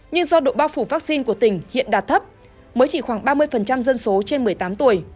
nhưng do độ bao phủ vaccine của tỉnh hiện đạt thấp mới chỉ khoảng ba mươi dân số trên một mươi tám tuổi